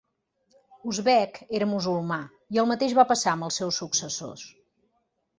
Uzbek era musulmà i el mateix va passar amb els seus successors.